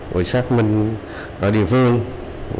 rồi xác minh ở địa phương